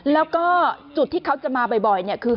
แล้วก็จุดที่เขาจะมาบ่อยเนี่ยคือ